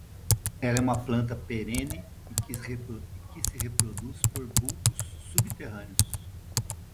Ela é uma planta perene e que se reproduz por bulbos subterrâneos.